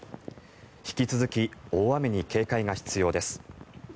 引き続き大雨に警戒が必要です。